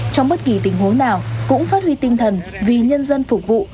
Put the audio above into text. trong bất kỳ tình huống nào cũng phát huy tinh thần vì nhân dân phục vụ